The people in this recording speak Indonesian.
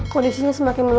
kondisinya semakin melemah